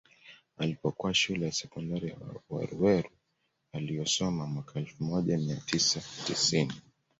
Alipokuwa Shule ya Sekondari ya Weruweru aliyosoma mwaka elfu moja mia tisa tisini